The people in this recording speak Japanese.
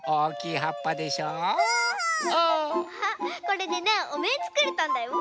これでねおめんつくれたんだよ。